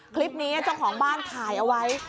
คลิปนี้เจ้าของบ้านถ่ายเอาไว้